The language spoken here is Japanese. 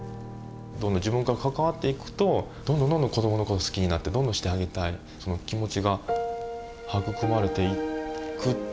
自分が関わっていくとどんどんどんどん子どもの事好きになってどんどんしてあげたいその気持ちが育まれていく。